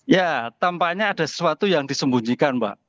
ya tampaknya ada sesuatu yang disembunyikan mbak